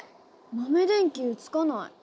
豆電球つかない。